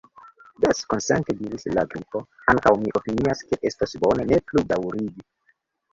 "Jes," konsente diris la Grifo, "ankaŭ mi opinias ke estos bone ne plu daŭrigi."